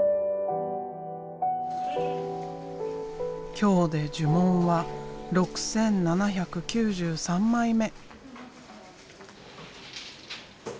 今日で呪文は６，７９３枚目。